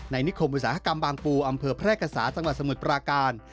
ในนิคมบริษัทธกรรมบางปูอำเภอพระแรกษาจังหวัดสมุดปราการ